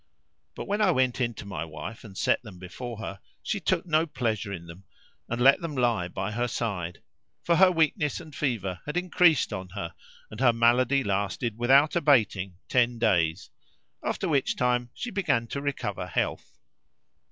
But when I went in to my wife and set them before her, she took no pleasure in them and let them lie by her side; for her weakness and fever had increased on her and her malady lasted without abating ten days, after which time she began to recover health.